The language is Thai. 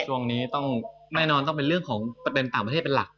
ช่วงนี้แน่นอนต้องเป็นเรื่องของประเทศต่างประเทศเป็นหลักนะครับ